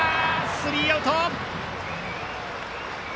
スリーアウト。